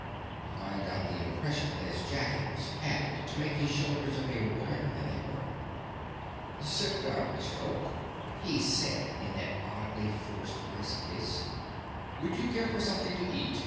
I got the impression that his jacket was padded to make his shoulders appear wider than they were. "Sit down, Mr. Oak," he said in that oddly forced voice of his. "Would you care for something to eat?